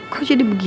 kok jadi begini